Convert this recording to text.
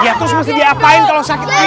ya terus mesti dia apain kalau sakitin